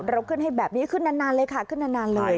เราขึ้นให้แบบนี้ขึ้นนานเลยค่ะขึ้นนานเลย